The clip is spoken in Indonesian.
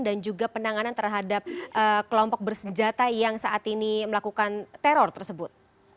dan juga penanganan terhadap kelompok bersejata yang saat ini melakukan teror tersebut